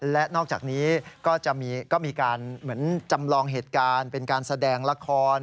และนอกจากนี้ก็จะมีการเหมือนจำลองเหตุการณ์เป็นการแสดงละคร